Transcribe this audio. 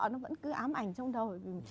nó vẫn cứ ám ảnh trong đầu